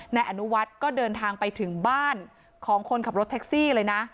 นายอนุวัฒน์ก็เดินทางไปถึงบ้านของคนขับรถแท็กซี่เลยนะ